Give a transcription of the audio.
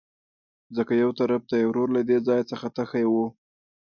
ځکه يوطرف ته يې ورور له دې ځاى څخه تښى وو.